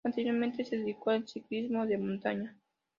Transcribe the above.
Anteriormente se dedicó al ciclismo de montaña.